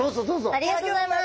ありがとうございます。